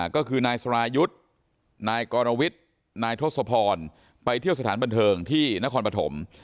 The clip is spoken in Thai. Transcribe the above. ก็คือนายสรายุทธ์นายกรวิทย์นายทศพรไปเที่ยวสถานบันเทิงที่นครปฐม